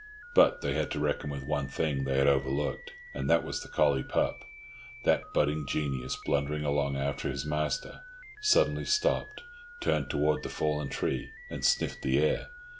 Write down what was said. But they had to reckon with one thing they had overlooked, and that was the collie pup. That budding genius, blundering along after his master, suddenly stopped, turned towards the fallen tree, and sniffed the air.